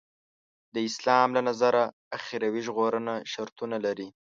د اسلام له نظره اخروي ژغورنه شرطونه لري.